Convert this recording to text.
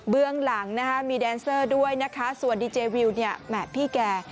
หลังนะคะมีแดนเซอร์ด้วยนะคะส่วนดีเจวิวเนี่ยแหม่พี่แก